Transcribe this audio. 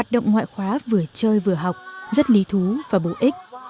động ngoại khóa vừa chơi vừa học rất lý thú và bổ ích